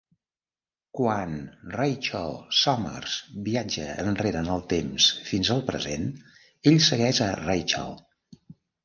Quan Rachel Summers viatja enrere en el temps fins al present, ell segueix a Rachel.